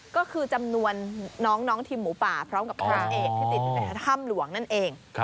ก็คือจำนวนน้องทีมหมูป่าพร้อมกับพระเอกที่ติดอยู่ในถ้ำหลวงนั่นเอง